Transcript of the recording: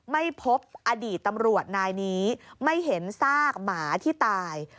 ไม่พบอดีตตำรวจนายนี้ไม่เห็นซากหมาที่ตาย